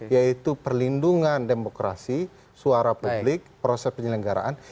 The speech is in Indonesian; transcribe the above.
yaitu perlindungan demokrasi suara publik proses penyelenggaraan